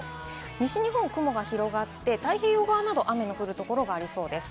西日本は雲が広がって、太平洋側などは雨の降るところがありそうです。